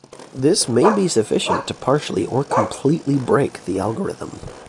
This may be sufficient to partially or completely break the algorithm.